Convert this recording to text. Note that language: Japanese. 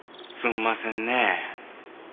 すんませんね